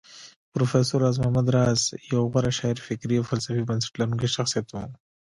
پروفېسر راز محمد راز يو غوره شاعر فکري او فلسفي بنسټ لرونکی شخصيت و